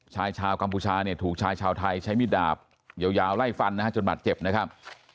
ชายชาวกัมพูชาเนี่ยถูกชายชาวไทยใช้มีดดาบยาวไล่ฟันนะฮะจนบาดเจ็บนะครับ